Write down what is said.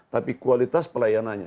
tapi kualitas pelayanannya